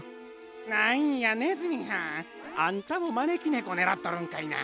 なんやねずみはんあんたもまねきねこねらっとるんかいな。